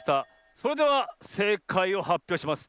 それではせいかいをはっぴょうします。